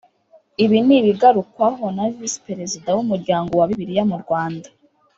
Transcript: Ibi n’ibigarukwaho na Visi Perezida w’Umuryango wa Bibiliya mu Rwanda